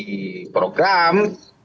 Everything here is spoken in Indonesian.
menjadi program yang sudah menjadi program